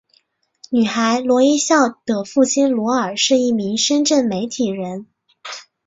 女孩罗一笑的父亲罗尔是一名深圳媒体人。